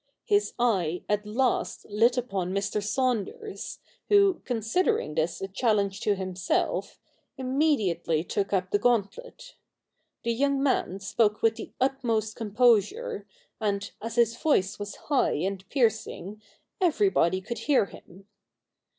His eye at last lit upon Mr. Saunders, who, considering this a challenge to himself, immediately took up the gauntlet. The young man spoke with the utmost com posure, and, as his voice was high and piercing, ever}' body could hear him.